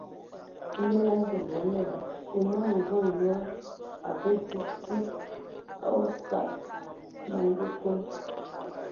Ndɔ lə azu bɔ naa e mɔn mvua nyɔ a ke dzib tsid a osab man Bəkon.